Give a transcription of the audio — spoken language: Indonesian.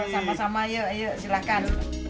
sama sama yuk silakan